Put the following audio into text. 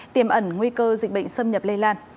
tiềm ẩn nguy cơ dịch bệnh xâm nhập lây lan